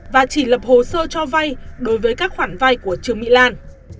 và chỉ lập hồ sơ cho vay đối với các khoản vay của trương mỹ lan